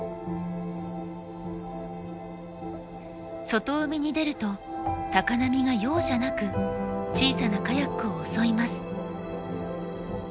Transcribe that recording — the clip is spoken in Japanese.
外海に出ると高波が容赦なく小さなカヤックを襲います。